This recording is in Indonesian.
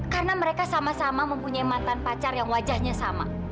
karena mereka sama sama mempunyai mantan pacar yang wajahnya sama